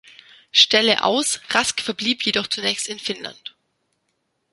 Stelle aus, Rask verblieb jedoch zunächst in Finnland.